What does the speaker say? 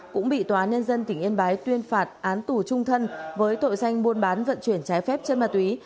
cũng bị tòa nhân dân tỉnh yên bái tuyên phạt án tù trung thân với tội danh buôn bán vận chuyển trái phép chân ma túy